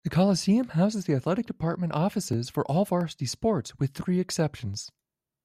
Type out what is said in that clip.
The Coliseum houses the athletic department offices for all varsity sports with three exceptions.